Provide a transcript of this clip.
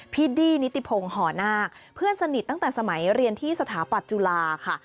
ดี้นิติพงศ์หอนาคเพื่อนสนิทตั้งแต่สมัยเรียนที่สถาปัตจุฬาค่ะ